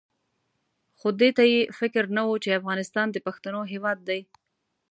خو دې ته یې فکر نه وو چې افغانستان د پښتنو هېواد دی.